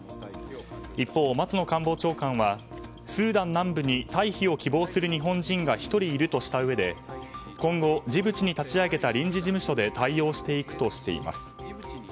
一方、松野官房長官はスーダン南部に退避を希望する日本人が１人いるとしたうえで今後、ジブチに立ち上げた臨時事務所で対応していくとしています。